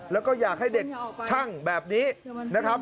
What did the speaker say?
แล้วก็อยากให้เด็กช่างแบบนี้นะครับ